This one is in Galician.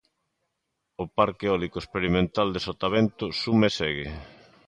O parque eólico experimental de Sotavento suma e segue.